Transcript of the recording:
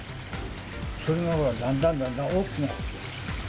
それがだんだんだんだん大きくなって。